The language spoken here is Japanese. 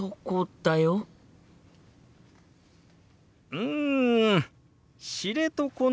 うん「知床」の表現